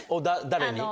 誰に？